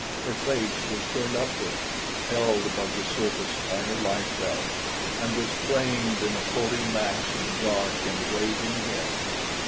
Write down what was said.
Her face was turned upward, held above the surface by her life belt, and was framed in a floating mass of dark and waving hair.